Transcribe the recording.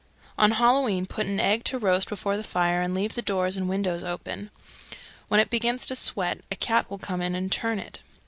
_ 311. On Halloween put an egg to roast before the fire and leave the doors and windows open. When it begins to sweat a cat will come in and turn it.